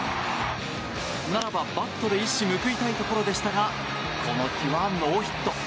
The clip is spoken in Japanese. ならば、バットで一矢報いたいところでしたがこの日はノーヒット。